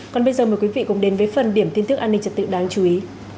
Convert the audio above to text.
còn bây giờ mời quý vị cùng đến với phần điểm tin tức an ninh trật tự đáng chú ý